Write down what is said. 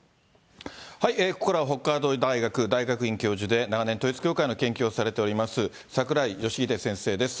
ここからは北海道大学大学院教授で、長年、統一教会の研究をされております、櫻井義秀先生です。